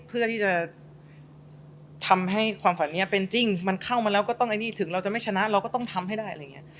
เพื่อที่จะทำให้ความฝันนี้เป็นจริงมันเข้ามาแล้วก็ต้องถึงเราจะไม่ชนะเราก็ต้องทำให้ได้